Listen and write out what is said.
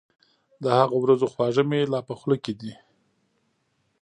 د هغو ورځو خواږه مي لا په خوله دي